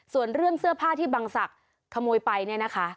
ส่วนเรื่องเสื้อผ้าที่บังศักดิ์ขโมยไปเนี่ยนะคะ